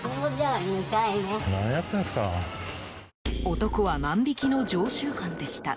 男は万引きの常習犯でした。